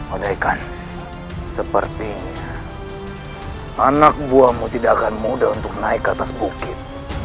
andaikan sepertinya anak buahmu tidak akan mudah untuk naik ke atas bukit